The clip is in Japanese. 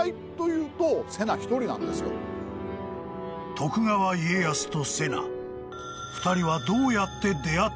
［徳川家康と瀬名］